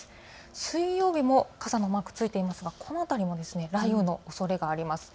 水曜日も傘のマークついていますがこの辺りも雷雨のおそれがあります。